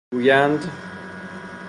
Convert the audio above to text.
گویند